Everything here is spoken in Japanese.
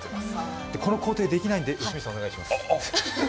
この工程はできないんで、吉光さんお願いします。